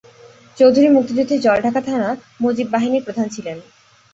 চৌধুরী মুক্তিযুদ্ধে জলঢাকা থানা মুজিব বাহিনীর প্রধান ছিলেন।